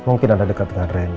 mungkin anda dekat dengan rena